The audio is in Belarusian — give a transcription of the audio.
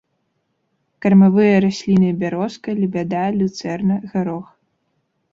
Кармавыя расліны бярозка, лебяда, люцэрна, гарох.